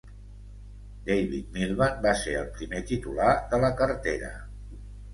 David Millband va ser el primer titular de la cartera.